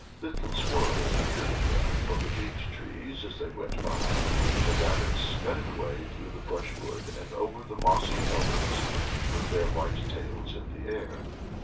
Little squirrels peered at them from the beech trees as they went by, and the rabbits scudded away through the brushwood and over the mossy knolls, with their white tails in the air.